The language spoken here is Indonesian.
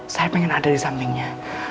saya ingin ada di sampingnya